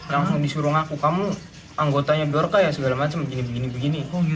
langsung disuruh ngaku kamu anggotanya broka ya segala macam begini begini begini